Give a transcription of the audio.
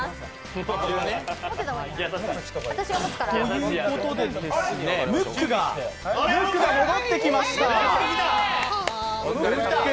ということで、ムックが戻ってきました。